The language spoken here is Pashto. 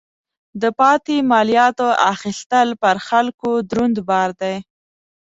د پاتې مالیاتو اخیستل پر خلکو دروند بار دی.